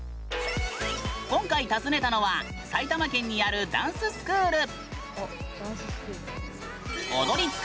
今回、訪ねたのは埼玉県にあるダンススクール。